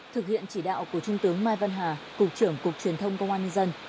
thực hiện chỉ đạo của trung tướng mai văn hà cục trưởng cục truyền thông công an nhân dân